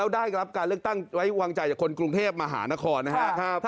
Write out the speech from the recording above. ได้รับการเลือกตั้งไว้วางใจจากคนกรุงเทพมหานครนะครับ